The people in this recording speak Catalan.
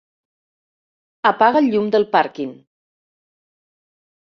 Apaga el llum del pàrquing.